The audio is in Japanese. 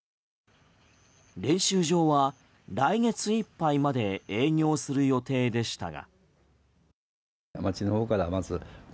練習場は来月いっぱいまで営業する予定でしたが。